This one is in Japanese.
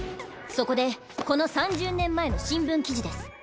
そこでこの３０年前の新聞記事です。